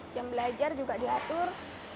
jam belajar juga diatur